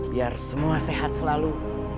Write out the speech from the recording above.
biar semua sehat selalu